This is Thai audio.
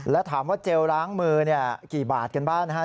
แล้วถามว่าเจลล้างมือเนี่ยกี่บาทกันบ้างนะฮะ